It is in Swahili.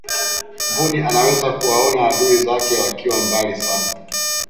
mbuni anaweza kuwaona adui zake wakiwa mbali sana